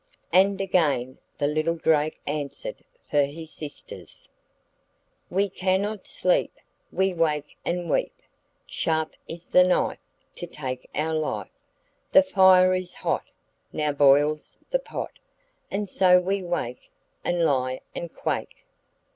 And again the little drake answered for his sisters: 'We cannot sleep, we wake and weep, Sharp is the knife, to take our life; The fire is hot, now boils the pot, And so we wake, and lie and quake.